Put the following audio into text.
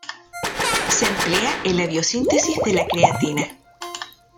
Se emplea en la biosíntesis de la creatina.